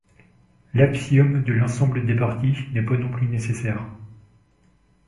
L'axiome de l'ensemble des parties n'est pas non plus nécessaire.